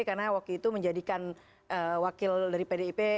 karena waktu itu menjadikan wakil dari pdip